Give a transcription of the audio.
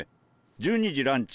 １２時ランチ